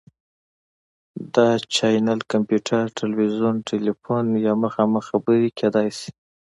دا چینل کمپیوټر، تلویزیون، تیلیفون یا مخامخ خبرې کیدی شي.